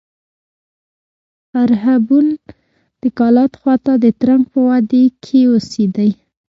خرښبون د کلات خوا ته د ترنک په وادي کښي اوسېدئ.